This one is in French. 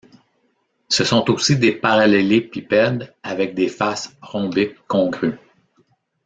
Ce sont aussi des parallélépipèdes avec des faces rhombiques congrues.